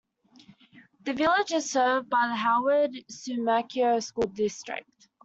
The village is served by the Howard-Suamico School District.